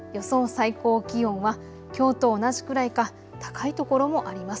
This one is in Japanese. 最高気温はきょうと同じくらいか高いところもあります。